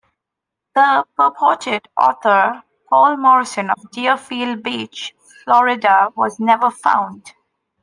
The purported author, Paul Morrison of Deerfield Beach, Florida, was never found.